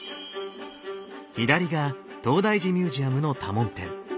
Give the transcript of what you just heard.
左が東大寺ミュージアムの多聞天。